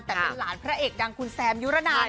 แต่เป็นหลานพระเอกดังคุณแซมยุรนัน